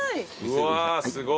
うわすご。